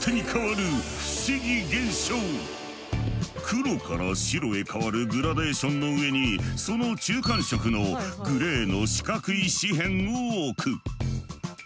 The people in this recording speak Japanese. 黒から白へ変わるグラデーションの上にその中間色のグレーの四角い紙片を置く。